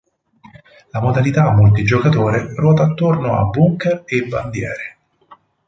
La modalità multigiocatore ruota attorno a bunker e bandiere.